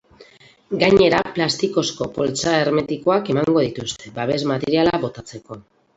Gainera, plastikozko poltsa hermetikoak emango dituzte, babes-materiala botatzeko.